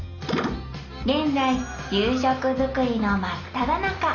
現在夕食作りのまっただ中。